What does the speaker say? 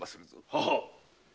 ははっ。